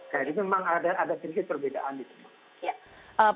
jadi memang ada sedikit perbedaan di sana